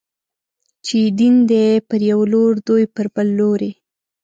چې يې دين دی، پر يو لور دوی پر بل لوري